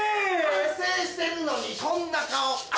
反省してるのにこんな顔！